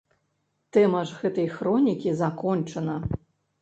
Тэма ж гэтай хронікі закончана.